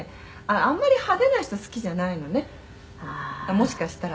「あんまり派手な人好きじゃないのねもしかしたら」